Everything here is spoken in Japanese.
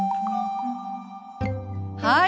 はい。